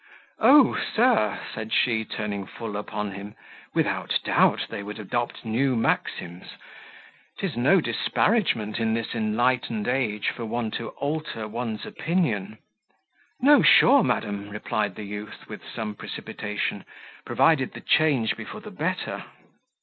"O! Sir," said she, turning full upon him, "without doubt they would adopt new maxims; 'tis no disparagement in this enlightened age for one to alter one's opinion." "No, sure, madam," replied the youth, with some precipitation, "provided the change be for the better."